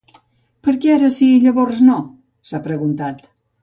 Per què ara sí i llavors no?, s’ha preguntat.